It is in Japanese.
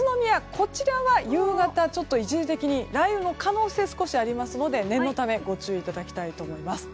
こちらは夕方、一時的に雷雨の可能性が少しありますので念のためご注意いただきたいと思います。